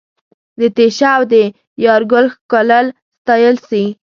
د تېشه او د یارګل ښکلل ستایل سي